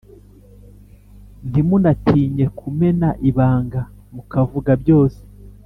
ntimunatinye kumena ibanga ,mukavuga byose